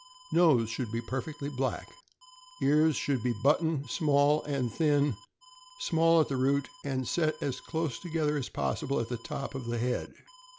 Nose. — Should be perfectly black. Ears.— Should be button, small, and thin; small at the root, and set as close together as possible at the top of the head.